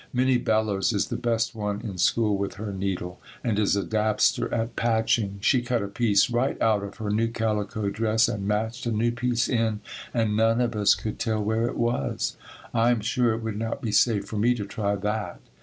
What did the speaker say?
Minnie Bellows is the best one in school with her needle and is a dabster at patching. She cut a piece right out of her new calico dress and matched a new piece in and none of us could tell where it was. I am sure it would not be safe for me to try that.